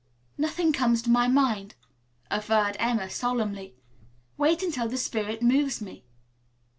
"Nothing comes to my mind," averred Emma solemnly. "Wait until the spirit moves me."